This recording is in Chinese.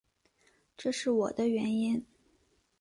这是我的原因